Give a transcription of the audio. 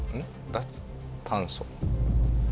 「脱炭素」。